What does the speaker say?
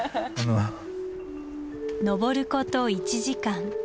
登ること１時間。